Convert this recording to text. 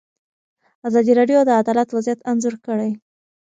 ازادي راډیو د عدالت وضعیت انځور کړی.